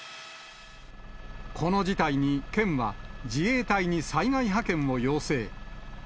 この事態に県は、自衛隊に災害派遣を要請。